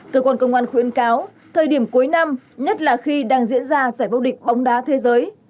cơ quan khuyên cáo thời điểm cuối năm nhất là khi đang diễn ra giải bốc địch bóng đá thế giới